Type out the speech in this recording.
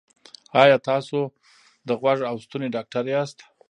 ایا تاسو د غوږ او ستوني ډاکټر یاست؟